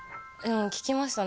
聞きましたね